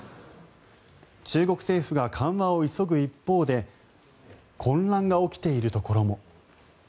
中国政府が緩和を急ぐ一方で混乱が起きているところも。